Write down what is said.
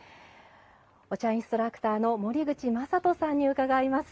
お茶インストラクターの森口正人さんに伺います。